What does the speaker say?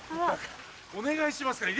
お願いしますから。